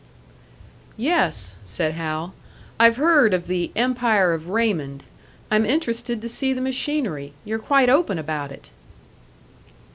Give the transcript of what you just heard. "Yes," said Hal. "I've heard of the 'Empire of Raymond'; I'm interested to see the machinery. You're quite open about it!"